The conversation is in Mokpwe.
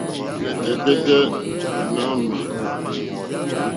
Rzɛ̀kɛ́tɛ́ ɲàmà.